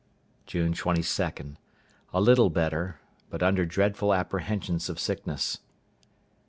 June 22.—A little better; but under dreadful apprehensions of sickness.